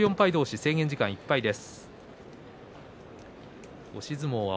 制限時間いっぱいです。